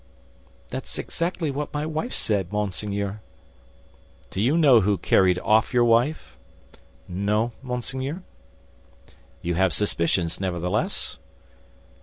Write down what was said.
"That's exactly what my wife said, monseigneur." "Do you know who carried off your wife?" "No, monseigneur." "You have suspicions, nevertheless?"